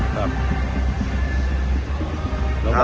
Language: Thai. สายหันขวาดูเขามองใครค่ะ